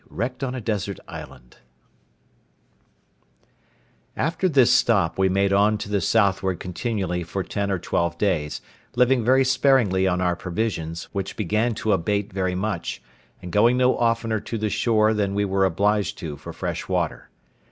WRECKED ON A DESERT ISLAND After this stop, we made on to the southward continually for ten or twelve days, living very sparingly on our provisions, which began to abate very much, and going no oftener to the shore than we were obliged to for fresh water.